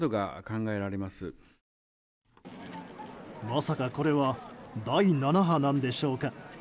まさかこれは第７波なんでしょうか？